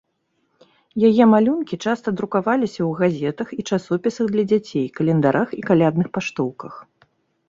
Яе малюнкі часта друкаваліся ў газетах і часопісах для дзяцей, календарах і калядных паштоўках.